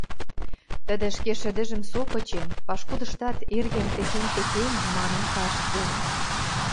тӹдӹ ӹшке шӹдӹжӹм со кычен, пашкудыштат «эргем техень-тӹхень» манын каштде.